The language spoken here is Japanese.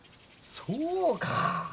そうか。